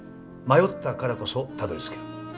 迷ったからこそたどりつける。